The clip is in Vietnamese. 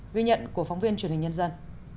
ghi nhận của phóng viên truyền hình nhân dân